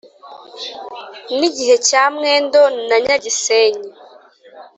N’ igihe cya Mwendo na Nyagisenyi